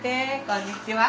こんにちは。